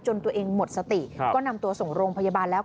ตัวเองหมดสติก็นำตัวส่งโรงพยาบาลแล้ว